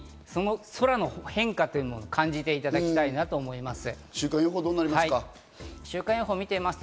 空の天気の変化を見ていただきたいと思います。